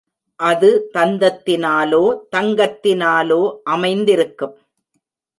அது தந்தத்தினாலோ, தங்கத்தினாலோ அமைந்திருக்கும்.